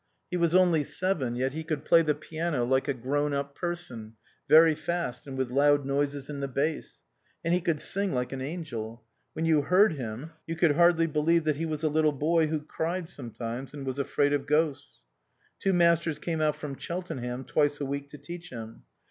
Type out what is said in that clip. He was only seven, yet he could play the piano like a grown up person, very fast and with loud noises in the bass. And he could sing like an angel. When you heard him you could hardly believe that he was a little boy who cried sometimes and was afraid of ghosts. Two masters came out from Cheltenham twice a week to teach him.